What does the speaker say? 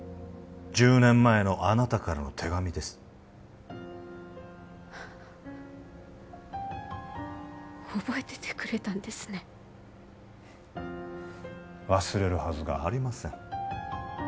１０年前のあなたからの手紙です覚えててくれたんですね忘れるはずがありません